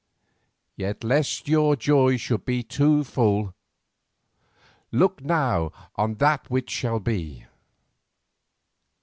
Yet lest your joy should be too full—look now on that which shall be."